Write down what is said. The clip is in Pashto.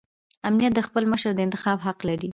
امت د خپل مشر د انتخاب حق لري.